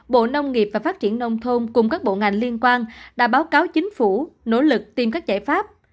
bộ nông nghiệp và phát triển nông thôn cùng các bộ ngành liên quan đã báo cáo chính phủ nỗ lực tìm các giải pháp